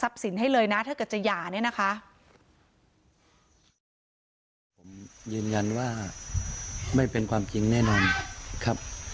ผมยืนยันว่าไม่เป็นความจริงแน่นอนครับ